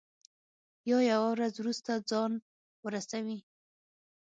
یا یوه ورځ وروسته ځان ورسوي.